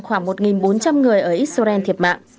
khoảng một bốn trăm linh người ở israel thiệt mạng